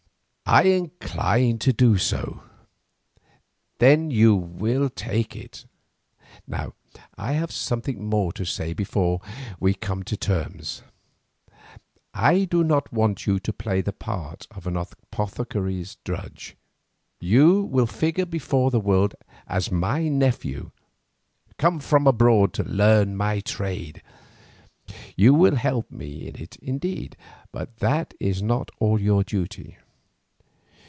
"I incline to do so." "Then you will take it. Now I have something more to say before we come to terms. I do not want you to play the part of an apothecary's drudge. You will figure before the world as my nephew, come from abroad to learn my trade. You will help me in it indeed, but that is not all your duty.